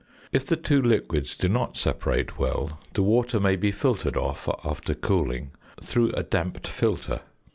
If the two liquids do not separate well, the water may be filtered off, after cooling, through a damped filter.